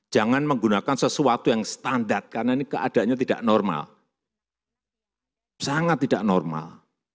jangan menggunakan sesuatu yang standar karena ini keadaannya tidak normal sangat tidak normal